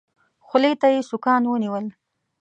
خولې ته يې سوکان ونيول.